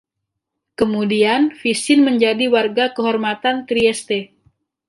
Kemudian, Visin menjadi warga kehormatan Trieste.